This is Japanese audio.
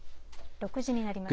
６時になりました。